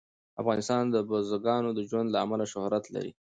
افغانستان د بزګانو د ژوند له امله شهرت لري.